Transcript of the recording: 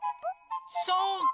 そうか！